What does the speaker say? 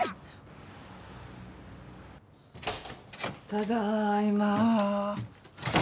ただいま。